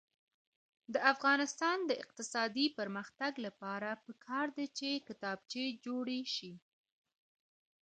د افغانستان د اقتصادي پرمختګ لپاره پکار ده چې کتابچې جوړې شي.